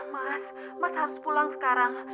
mas mas harus pulang sekarang